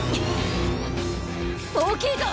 大きいぞ！